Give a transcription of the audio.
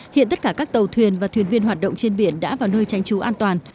hiện tất cả các tàu thuyền và thuyền viên hoạt động trên biển đã vào nơi tránh trú an toàn